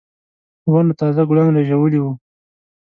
ونو تازه ګلان رېژولي وو.